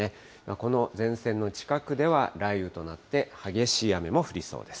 この前線の近くでは雷雨となって、激しい雨も降りそうです。